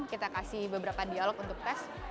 kita kasih beberapa dialog untuk tes